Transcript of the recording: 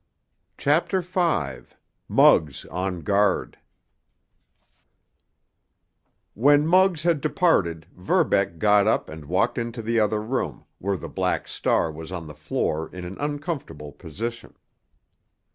CHAPTER V—MUGGS ON GUARD When Muggs had departed Verbeck got up and walked into the other room, where the Black Star was on the floor in an uncomfortable position.